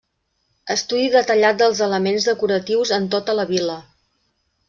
Estudi detallat dels elements decoratius en tota la vil·la.